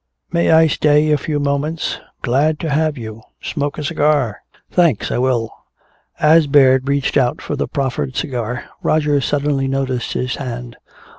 May I stay a few moments?" "Glad to have you! Smoke a cigar!" "Thanks I will." As Baird reached out for the proffered cigar, Roger suddenly noticed his hand.